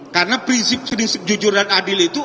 karena prinsip jujur dan adil itu